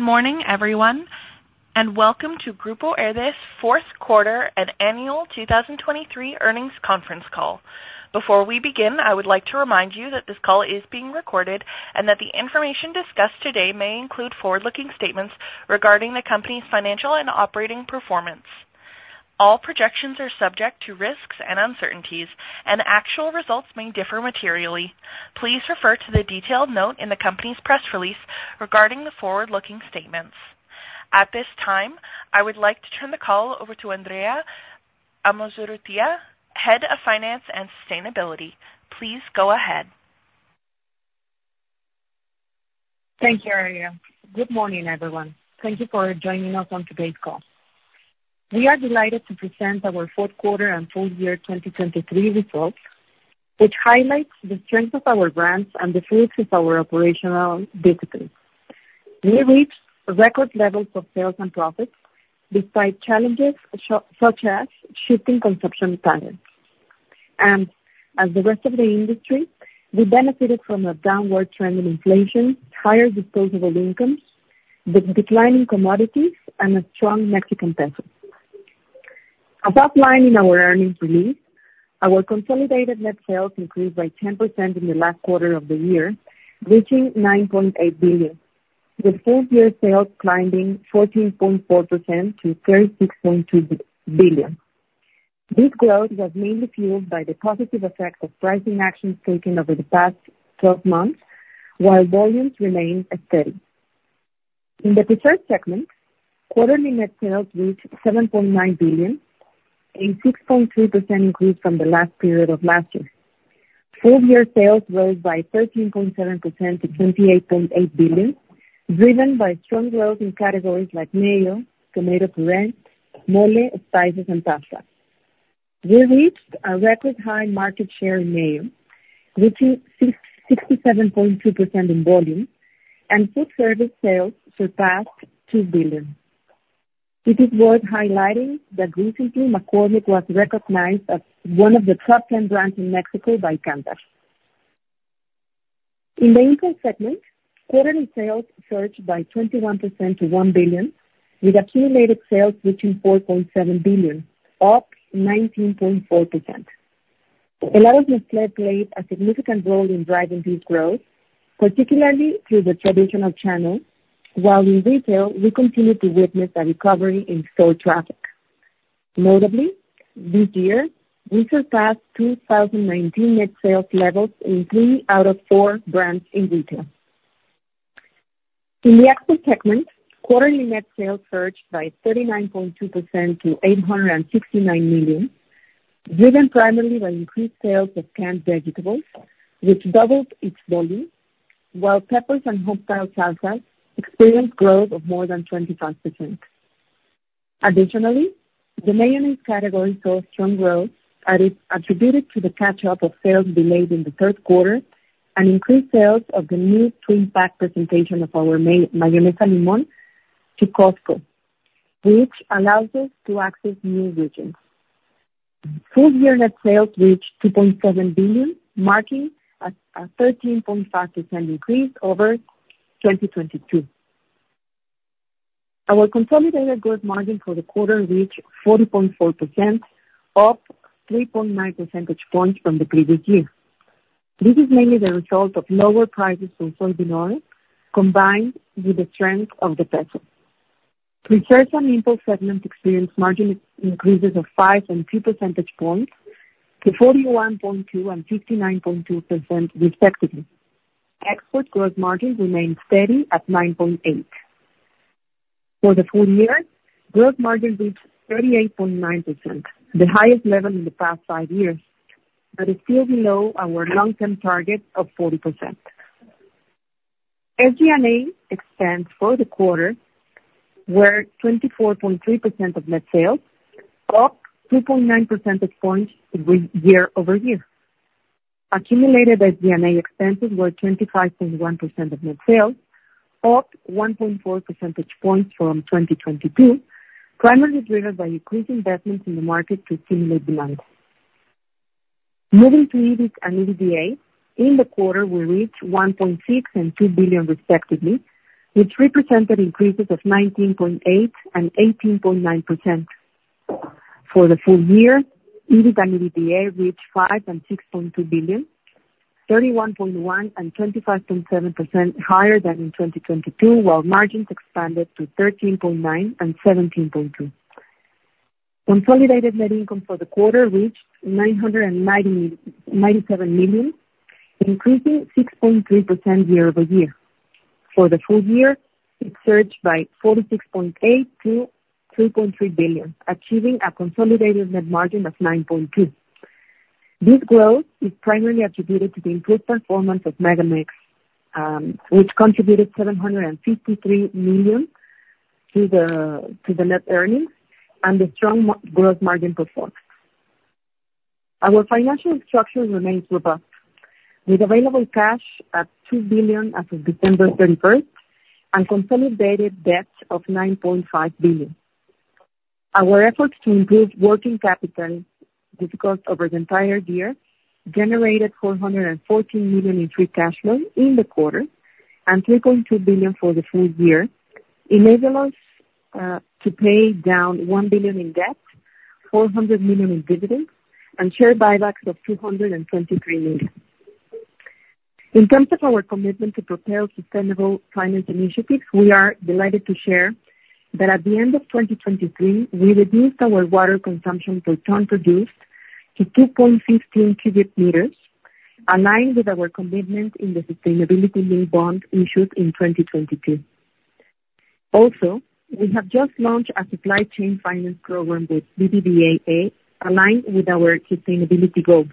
Good morning, everyone, and welcome to Grupo Herdez fourth quarter and annual 2023 earnings conference call. Before we begin, I would like to remind you that this call is being recorded and that the information discussed today may include forward-looking statements regarding the company's financial and operating performance. All projections are subject to risks and uncertainties, and actual results may differ materially. Please refer to the detailed note in the company's press release regarding the forward-looking statements. At this time, I would like to turn the call over to Andrea Amozurrutia, Head of Finance and Sustainability. Please go ahead. Thank you, Ariel. Good morning, everyone. Thank you for joining us on today's call. We are delighted to present our fourth quarter and full year 2023 results, which highlights the strength of our brands and the fruits of our operational discipline. We reached record levels of sales and profits despite challenges such as shifting consumption patterns. As the rest of the industry, we benefited from a downward trend in inflation, higher disposable incomes, the decline in commodities and a strong Mexican peso. Above the line in our earnings release, our consolidated net sales increased by 10% in the last quarter of the year, reaching 9.8 billion. The full year sales climbing 14.4% to 36.2 billion. This growth was mainly fueled by the positive effect of pricing actions taken over the past twelve months, while volumes remained steady. In the prepared segment, quarterly net sales reached 7.9 billion, a 6.2% increase from the last period of last year. Full year sales rose by 13.7% to 28.8 billion, driven by strong growth in categories like mayo, tomato puree, mole, spices and pasta. We reached a record high market share in mayo, reaching 66.7% in volume, and food service sales surpassed 2 billion. It is worth highlighting that recently, McCormick was recognized as one of the top 10 brands in Mexico by Kantar. In the impulse segment, quarterly sales surged by 21% to 1 billion, with accumulated sales reaching 4.7 billion, up 19.4%. Helados, played a significant role in driving this growth, particularly through the traditional channel, while in retail, we continue to witness a recovery in store traffic. Notably, this year, we surpassed 2019 net sales levels in three out of four brands in retail. In the export segment, quarterly net sales surged by 39.2% to 869 million, driven primarily by increased sales of canned vegetables, which doubled its volume, while peppers and homestyle salsa experienced growth of more than 25%. Additionally, the mayonnaise category saw strong growth at its... attributed to the catch-up of sales delayed in the third quarter and increased sales of the new twin pack presentation of our Mayonesa Limón to Costco, which allows us to access new regions. Full year net sales reached 2.7 billion, marking a 13.5% increase over 2022. Our consolidated gross margin for the quarter reached 40.4%, up 3.9 percentage points from the previous year. This is mainly the result of lower prices from soybean oil, combined with the strength of the peso. Our domestic and impulse segments experienced margin increases of 5 and 2 percentage points to 41.2% and 59.2%, respectively. Export gross margin remained steady at 9.8%. For the full year, gross margin reached 38.9%, the highest level in the past five years, but is still below our long-term target of 40%. SG&A expense for the quarter were 24.3% of net sales, up 2.9 percentage points year-over-year. Accumulated SG&A expenses were 25.1% of net sales, up 1.4 percentage points from 2022, primarily driven by increased investments in the market to stimulate demand. Moving to EBIT and EBITDA, in the quarter, we reached 1.6 billion and 2 billion, respectively, which represented increases of 19.8% and 18.9%. For the full year, EBIT and EBITDA reached 5 billion and 6.2 billion, 31.1% and 25.7% higher than in 2022, while margins expanded to 13.9% and 17.2%. Consolidated net income for the quarter reached 997 million, increasing 6.3% year-over-year. For the full year, it surged by 46.8% to 2.3 billion, achieving a consolidated net margin of 9.2%. This growth is primarily attributed to the improved performance of MegaMex, which contributed 753 million to the net earnings and the strong margin growth performance. Our financial structure remains robust, with available cash at 2 billion as of December 31, and consolidated debt of 9.5 billion. Our efforts to improve working capital efficiency over the entire year generated 414 million in free cash flow in the quarter and 3.2 billion for the full year, enabled us to pay down 1 billion in debt, 400 million in dividends and share buybacks of 223 million. In terms of our commitment to propel sustainable finance initiatives, we are delighted to share that at the end of 2023, we reduced our water consumption per ton produced to 2.15 cubic meters, aligned with our commitment in the Sustainability-Linked Bond issued in 2022. Also, we have just launched a supply chain finance program with BBVA, aligned with our sustainability goals.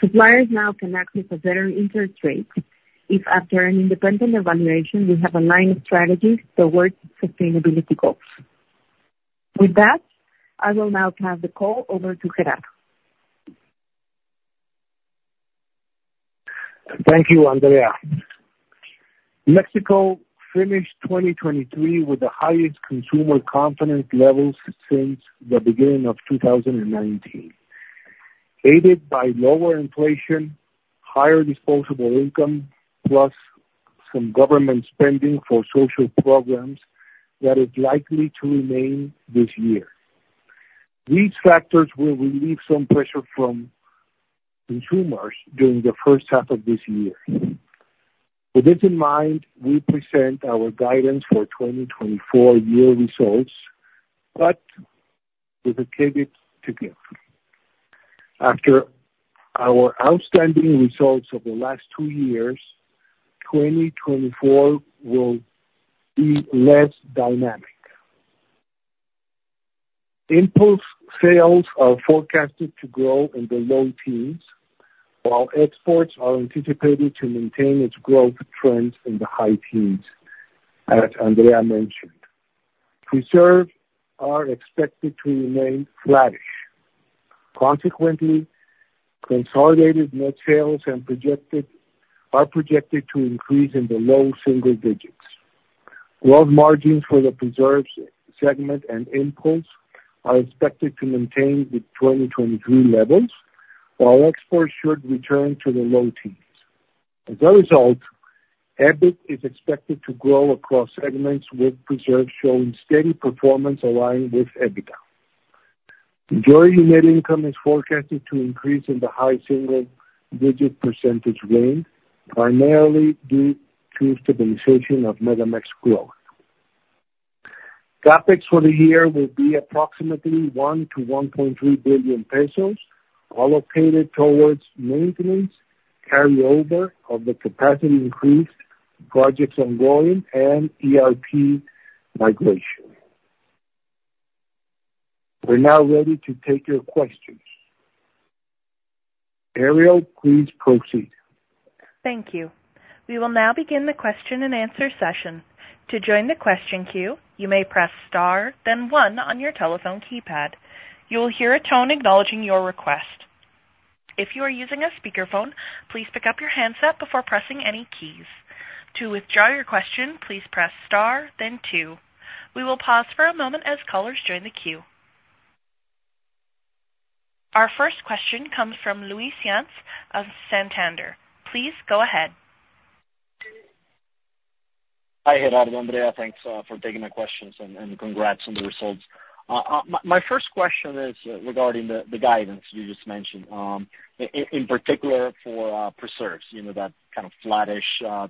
Suppliers now can access a better interest rate if after an independent evaluation, we have aligned strategies towards sustainability goals. With that, I will now pass the call over to Gerardo. Thank you, Andrea. Mexico finished 2023 with the highest consumer confidence levels since the beginning of 2019. Aided by lower inflation, higher disposable income, plus some government spending for social programs that is likely to remain this year. These factors will relieve some pressure from consumers during the first half of this year. With this in mind, we present our guidance for 2024 year results, but with a caveat to give. After our outstanding results of the last two years, 2024 will be less dynamic. Impulse sales are forecasted to grow in the low teens, while exports are anticipated to maintain its growth trends in the high teens, as Andrea mentioned. Preserves are expected to remain flattish. Consequently, consolidated net sales are projected to increase in the low single digits. Gross margins for the preserves segment and impulse are expected to maintain the 2023 levels, while exports should return to the low teens. As a result, EBIT is expected to grow across segments, with preserves showing steady performance aligned with EBITDA. Herdez net income is forecasted to increase in the high single-digit % range, primarily due to stabilization of MegaMex growth. CapEx for the year will be approximately 1 billion-1.3 billion pesos, allocated towards maintenance, carryover of the capacity increase, projects ongoing and ERP migration. We're now ready to take your questions. Ariel, please proceed. Thank you. We will now begin the question and answer session. To join the question queue, you may press star then one on your telephone keypad. You will hear a tone acknowledging your request. If you are using a speakerphone, please pick up your handset before pressing any keys. To withdraw your question, please press star then two. We will pause for a moment as callers join the queue. Our first question comes from Luis Yance of Santander. Please go ahead. Hi, Gerardo, Andrea, thanks for taking my questions and congrats on the results. My first question is regarding the guidance you just mentioned. In particular for preserves, you know, that kind of flattish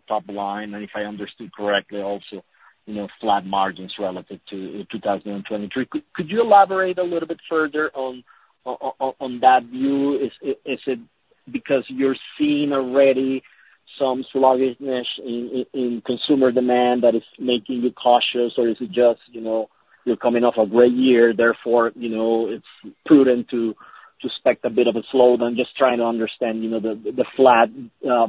top line, and if I understood correctly, also, you know, flat margins relative to 2023. Could you elaborate a little bit further on that view? Is it because you're seeing already some sluggishness in consumer demand that is making you cautious, or is it just, you know, you're coming off a great year, therefore, you know, it's prudent to expect a bit of a slowdown? Just trying to understand, you know, the flat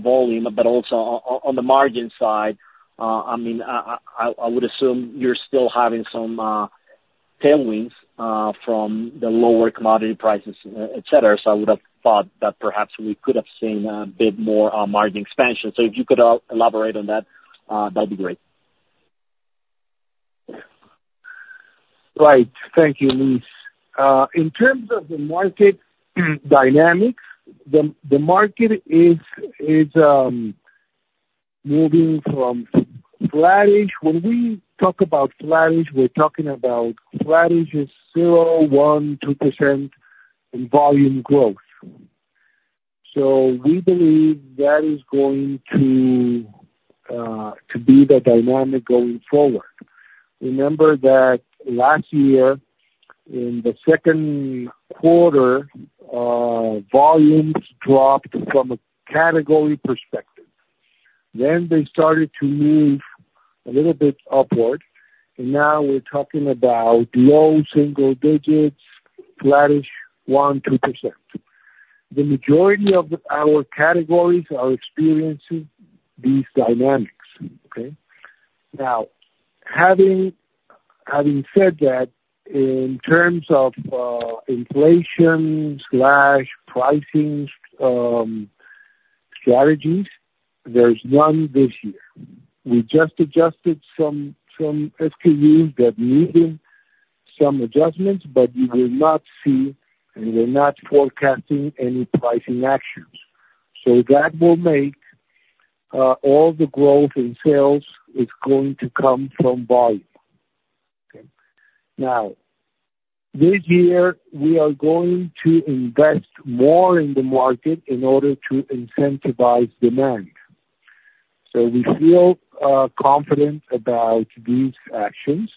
volume, but also on the margin side, I mean, I would assume you're still having some tailwinds from the lower commodity prices, et cetera. So I would have thought that perhaps we could have seen a bit more margin expansion. So if you could elaborate on that, that'd be great. Right. Thank you, Luis. In terms of the market dynamics, the market is moving from flattish. When we talk about flattish, we're talking about flattish is 0, 1, 2% in volume growth. So we believe that is going to to be the dynamic going forward. Remember that last year, in the second quarter, volumes dropped from a category perspective. Then they started to move a little bit upward, and now we're talking about low single digits, flattish, 1, 2%. The majority of our categories are experiencing these dynamics, okay? Now, having said that, in terms of inflation/pricings strategies, there's none this year. We just adjusted some SKUs that needed some adjustments, but we will not see, and we're not forecasting any pricing actions. So that will make all the growth in sales is going to come from volume. Okay? Now, this year, we are going to invest more in the market in order to incentivize demand. So we feel confident about these actions,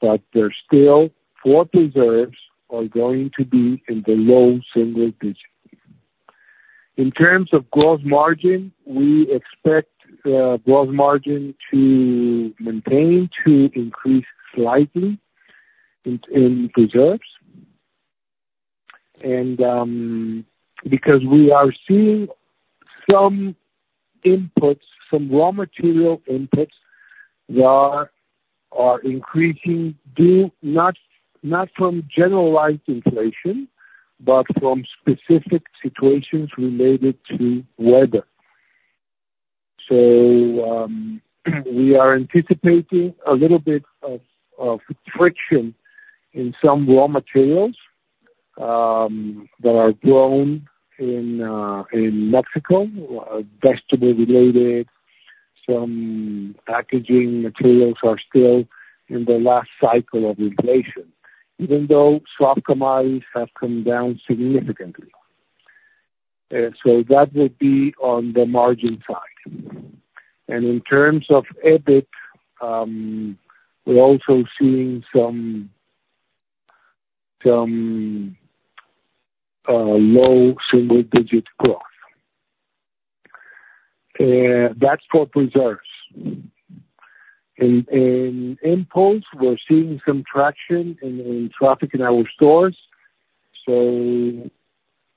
but they're still for preserves are going to be in the low single digits. In terms of gross margin, we expect gross margin to maintain, to increase slightly in preserves. And, because we are seeing some inputs, some raw material inputs, that are increasing due not from generalized inflation, but from specific situations related to weather. So, we are anticipating a little bit of friction in some raw materials that are grown in Mexico, are vegetable related. Some packaging materials are still in the last cycle of inflation, even though soft commodities have come down significantly. So that would be on the margin side. And in terms of EBIT, we're also seeing some low single digit growth. That's for preserves. In impulse, we're seeing some traction in traffic in our stores, so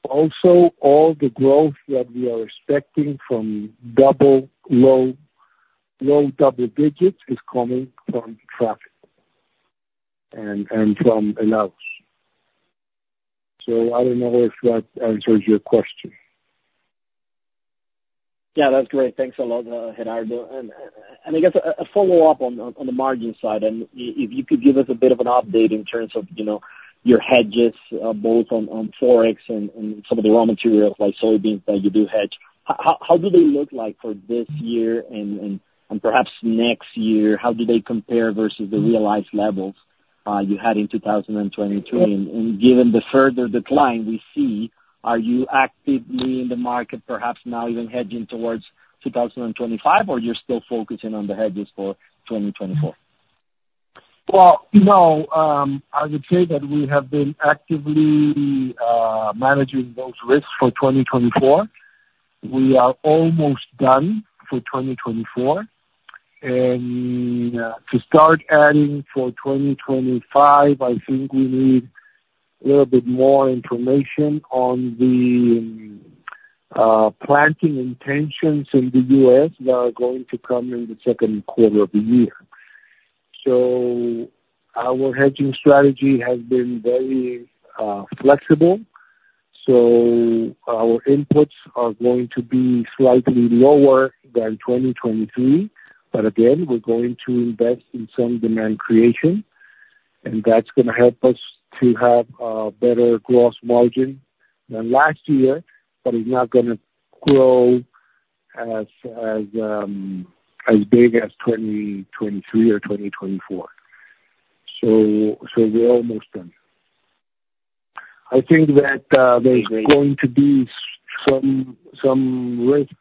also all the growth that we are expecting from low double digits is coming from traffic and from Helados. So I don't know if that answers your question. Yeah, that's great. Thanks a lot, Gerardo. And I guess a follow-up on the margin side, and if you could give us a bit of an update in terms of, you know, your hedges, both on Forex and some of the raw materials, like soybeans, that you do hedge. How do they look like for this year and perhaps next year? How do they compare versus the realized levels you had in 2023? And given the further decline we see, are you actively in the market, perhaps now even hedging towards 2025, or you're still focusing on the hedges for 2024? Well, no, I would say that we have been actively managing those risks for 2024. We are almost done for 2024, and to start adding for 2025, I think we need a little bit more information on the planting intentions in the U.S., that are going to come in the second quarter of the year. So our hedging strategy has been very flexible, so our inputs are going to be slightly lower than 2023, but again, we're going to invest in some demand creation, and that's gonna help us to have a better growth margin than last year, but it's not gonna grow as, as big as 2023 or 2024. So, so we're almost done. I think that, there's- Agreed. Going to be some risks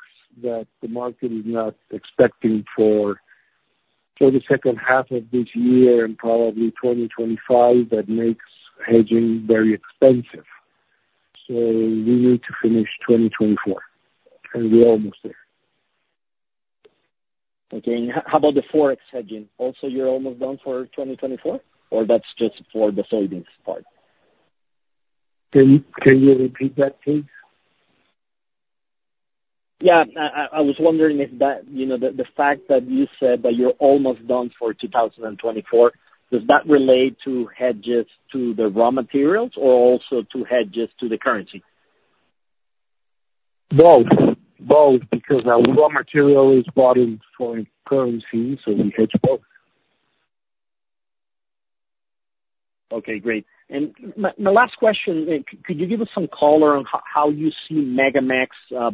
that the market is not expecting for the second half of this year and probably 2025, that makes hedging very expensive. So we need to finish 2024, and we're almost there. Okay. And how about the Forex hedging? Also, you're almost done for 2024, or that's just for the savings part? Can you repeat that, please? Yeah. I was wondering if that, you know, the fact that you said that you're almost done for 2024, does that relate to hedges to the raw materials or also to hedges to the currency? Both. Both, because our raw material is bought in foreign currency, so we hedge both. Okay, great. And my last question, could you give us some color on how you see MegaMex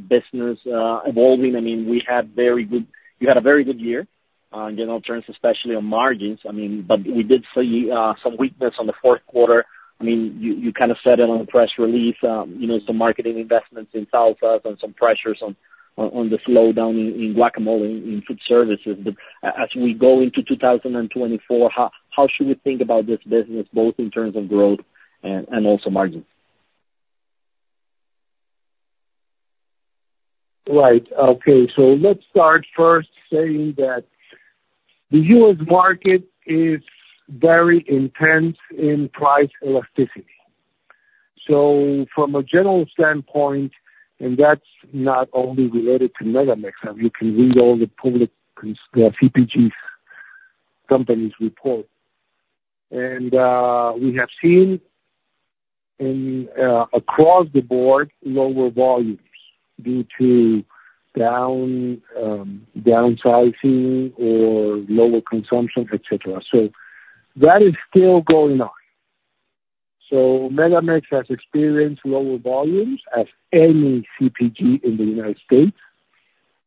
business evolving? I mean, we had very good... You had a very good year in general terms, especially on margins. I mean, but we did see some weakness on the fourth quarter. I mean, you kind of said it on the press release, you know, some marketing investments in salsas and some pressures on the slowdown in guacamole in food services. But as we go into 2024, how should we think about this business, both in terms of growth and also margins? Right. Okay, so let's start first saying that the U.S. market is very intense in price elasticity. So from a general standpoint, and that's not only related to MegaMex, and you can read all the public CPG companies report. And we have seen across the board, lower volumes due to downsizing or lower consumption, et cetera. So that is still going on. So MegaMex has experienced lower volumes as any CPG in the United States,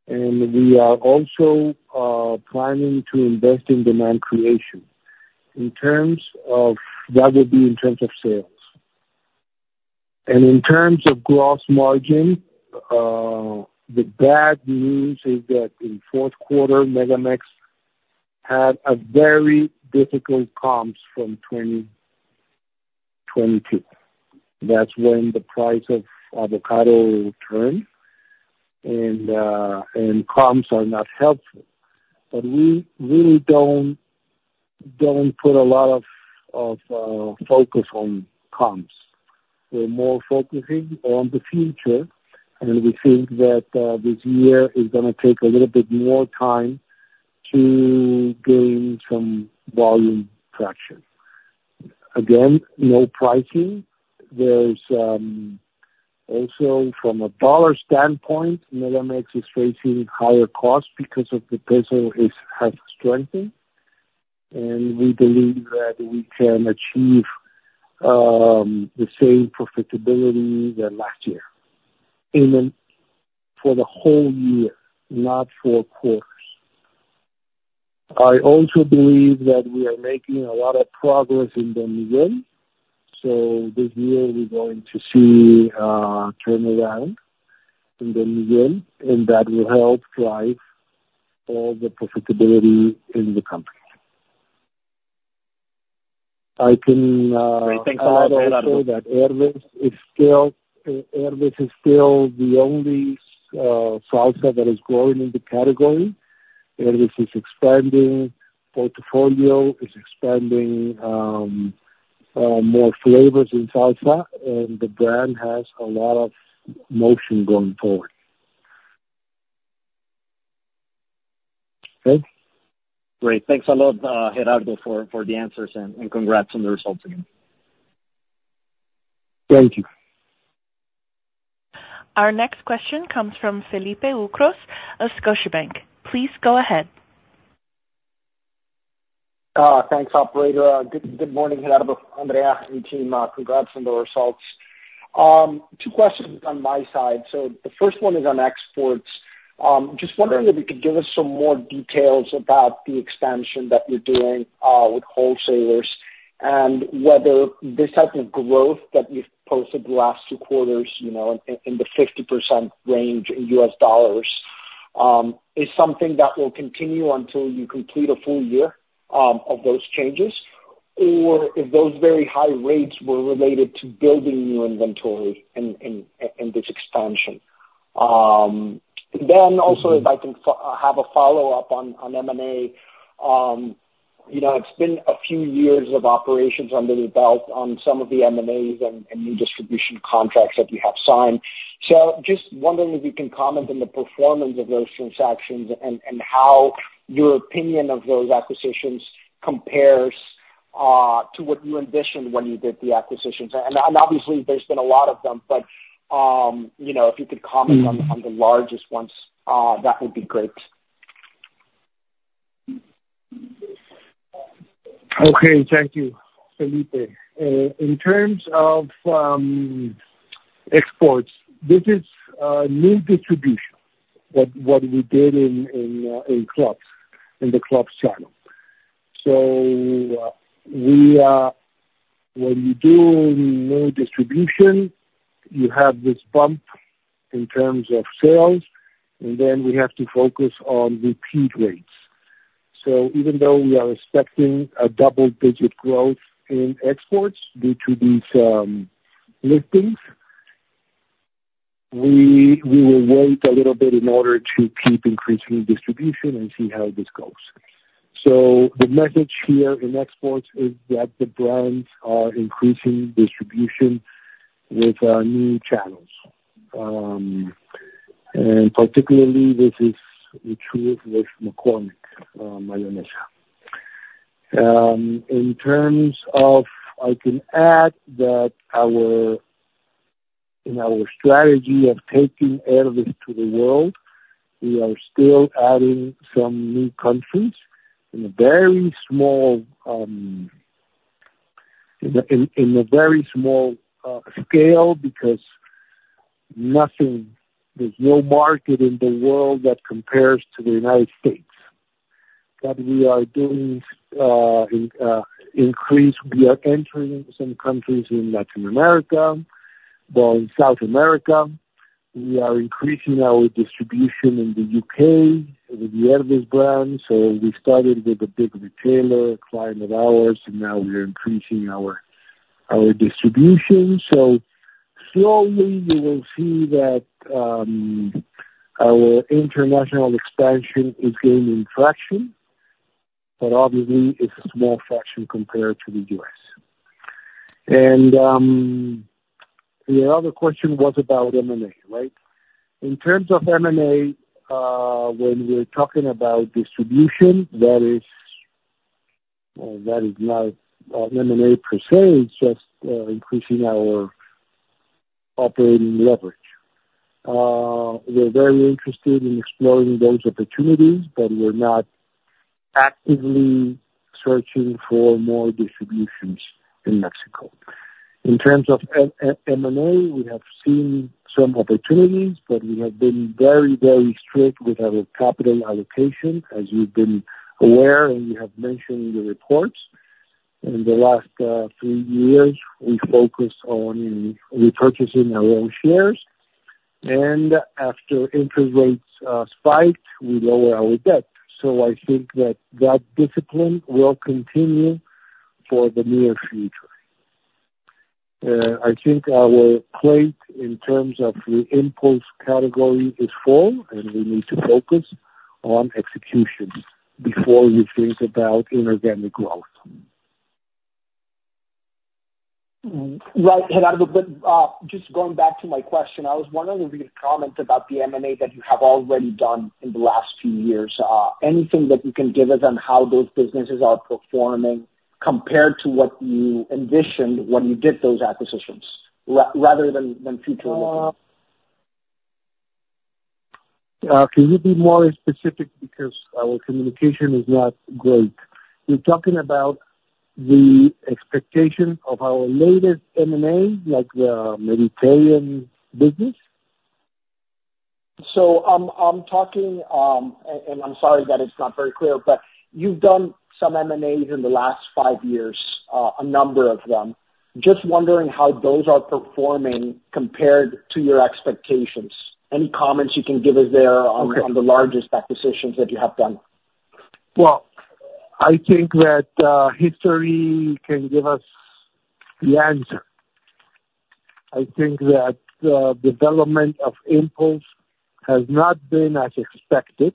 and we are also planning to invest in demand creation. In terms of, that would be in terms of sales. And in terms of gross margin, the bad news is that in fourth quarter, MegaMex had a very difficult comps from 2022. That's when the price of avocado turned, and comps are not helpful. But we really don't put a lot of focus on comps. We're more focusing on the future, and we think that this year is gonna take a little bit more time to gain some volume traction. Again, no pricing. There's also from a dollar standpoint, MegaMex is facing higher costs because the peso has strengthened, and we believe that we can achieve the same profitability than last year, and then for the whole year, not for quarters. I also believe that we are making a lot of progress in Don Miguel, so this year we're going to see a turnaround in Don Miguel, and that will help drive all the profitability in the company. I can- Great, thanks a lot- Add also that Herdez is still, Herdez is still the only salsa that is growing in the category, and this is expanding portfolio, is expanding more flavors in salsa, and the brand has a lot of motion going forward. Okay? Great. Thanks a lot, Gerardo, for the answers and congrats on the results again. Thank you. Our next question comes from Felipe Ucros of Scotiabank. Please go ahead. Thanks, operator. Good morning, Gerardo, Andrea, and team. Congrats on the results. Two questions on my side. So the first one is on exports. Just wondering if you could give us some more details about the expansion that you're doing with wholesalers, and whether this type of growth that you've posted the last two quarters, you know, in the 50% range in US dollars, is something that will continue until you complete a full year of those changes, or if those very high rates were related to building new inventory in this expansion? Then also, if I can have a follow-up on M&A. You know, it's been a few years of operations under the belt on some of the M&As and new distribution contracts that you have signed. So just wondering if you can comment on the performance of those transactions, and how your opinion of those acquisitions compares to what you envisioned when you did the acquisitions. And obviously there's been a lot of them, but, you know, if you could comment- Mm. On the largest ones, that would be great. Okay. Thank you, Felipe. In terms of exports, this is a new distribution, what we did in clubs, in the club channel. So when you do new distribution, you have this bump in terms of sales, and then we have to focus on repeat rates. So even though we are expecting a double-digit growth in exports due to these listings, we will wait a little bit in order to keep increasing distribution and see how this goes. So the message here in exports is that the brands are increasing distribution with new channels. And particularly this is true with McCormick mayonnaise. In terms of... I can add that in our strategy of taking Herdez to the world, we are still adding some new countries in a very small scale, because there's no market in the world that compares to the United States. But we are doing an increase, we are entering some countries in Latin America, but in South America, we are increasing our distribution in the U.K. with the Herdez brand. So we started with a big retailer, a client of ours, and now we are increasing our distribution. So slowly you will see that our international expansion is gaining traction, but obviously it's a small fraction compared to the U.S. And the other question was about M&A, right? In terms of M&A, when we're talking about distribution, that is-... That is not M&A per se, it's just increasing our operating leverage. We're very interested in exploring those opportunities, but we're not actively searching for more distributions in Mexico. In terms of M&A, we have seen some opportunities, but we have been very, very strict with our capital allocation, as you've been aware, and we have mentioned in the reports. In the last three years, we focused on repurchasing our own shares, and after interest rates spiked, we lower our debt. So I think that that discipline will continue for the near future. I think our plate, in terms of the impulse category, is full, and we need to focus on execution before we think about inorganic growth. Right, Gerardo, but just going back to my question, I was wondering if you could comment about the M&A that you have already done in the last few years. Anything that you can give us on how those businesses are performing compared to what you envisioned when you did those acquisitions, rather than future? Can you be more specific? Because our communication is not great. You're talking about the expectation of our latest M&A, like the Mediterranean business? So I'm talking, and I'm sorry that it's not very clear, but you've done some M&As in the last five years, a number of them. Just wondering how those are performing compared to your expectations. Any comments you can give us there on- Okay. on the largest acquisitions that you have done? Well, I think that history can give us the answer. I think that the development of impulse has not been as expected.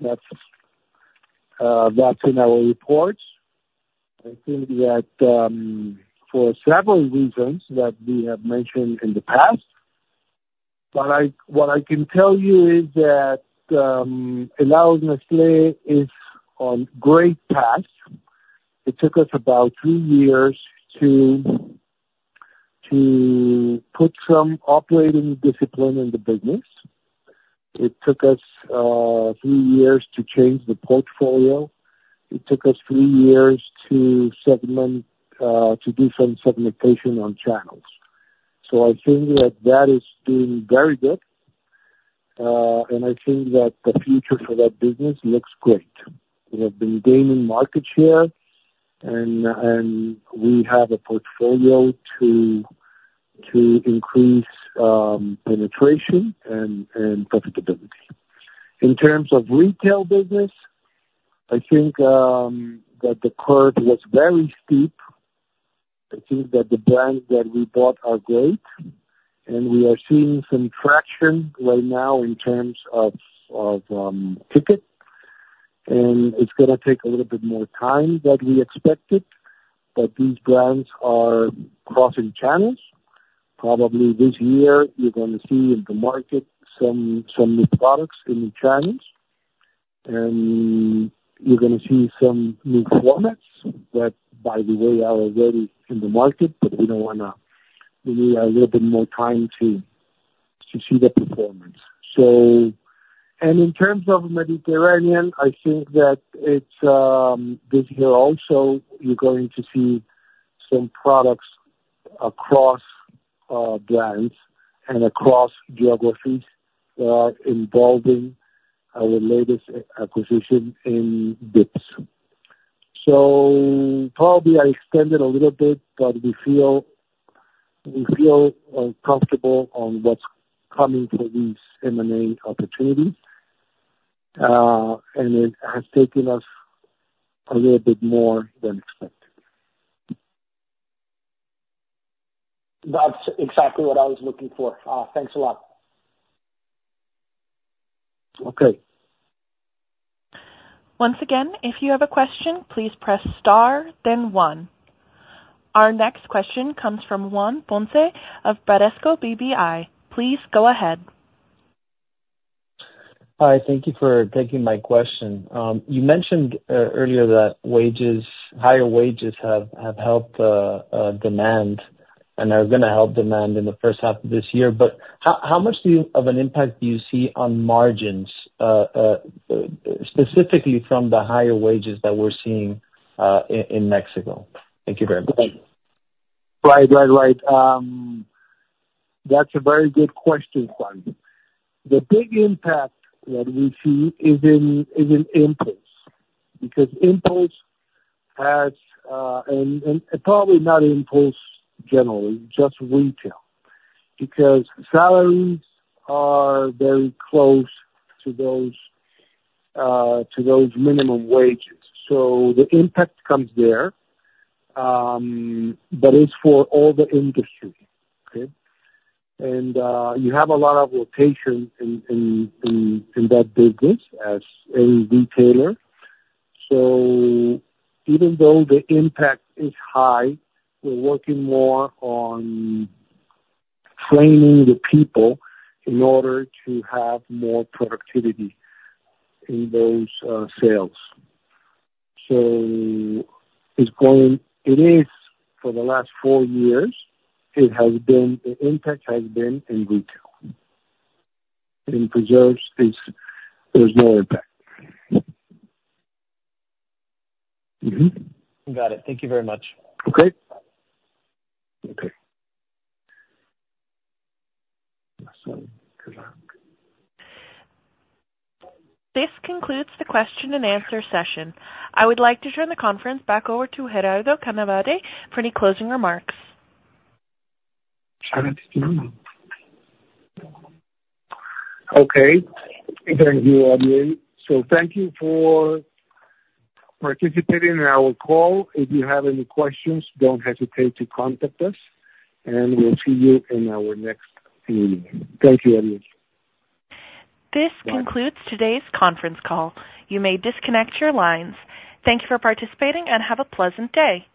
That's, that's in our reports. I think that for several reasons that we have mentioned in the past, but what I can tell you is that Helados Nestlé is on great path. It took us about two years to put some operating discipline in the business. It took us three years to change the portfolio. It took us three years to segment to do some segmentation on channels. So I think that that is doing very good and I think that the future for that business looks great. We have been gaining market share and we have a portfolio to increase penetration and profitability. In terms of retail business, I think that the curve was very steep. I think that the brands that we bought are great, and we are seeing some traction right now in terms of, of, ticket. And it's gonna take a little bit more time than we expected, but these brands are crossing channels. Probably this year you're gonna see in the market some, some new products, in the channels, and you're gonna see some new formats that, by the way, are already in the market, but we don't wanna, we need a little bit more time to, to see the performance. So... And in terms of Mediterranean, I think that it's, this year also, you're going to see some products across, brands and across geographies that are involving our latest acquisition in dips. So probably I extended a little bit, but we feel, we feel, comfortable on what's coming for these M&A opportunities, and it has taken us a little bit more than expected. That's exactly what I was looking for. Thanks a lot. Okay. Once again, if you have a question, please press star then one. Our next question comes from Juan Ponce of Bradesco BBI. Please go ahead. Hi, thank you for taking my question. You mentioned earlier that higher wages have helped demand and are gonna help demand in the first half of this year, but how much of an impact do you see on margins, specifically from the higher wages that we're seeing in Mexico? Thank you very much. Right, right, right. That's a very good question, Juan. The big impact that we see is in impulse, because impulse has and probably not impulse generally, just retail, because salaries are very close to those minimum wages. So the impact comes there, but it's for all the industry, okay? And you have a lot of rotation in that business as any retailer. So even though the impact is high, we're working more on training the people in order to have more productivity in those sales. So it's going... It is, for the last four years, it has been, the impact has been in retail. In preserves, it's, there's no impact. Mm-hmm. Got it. Thank you very much. Okay. Okay. This concludes the question and answer session. I would like to turn the conference back over to Gerardo Canavati for any closing remarks. Okay. Thank you, Ariel. So thank you for participating in our call. If you have any questions, don't hesitate to contact us, and we'll see you in our next meeting. Thank you, everyone. This concludes today's conference call. You may disconnect your lines. Thank you for participating and have a pleasant day.